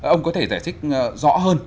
ông có thể giải thích rõ hơn